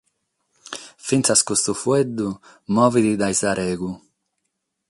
Fintzas custu faeddu movet dae su gregu.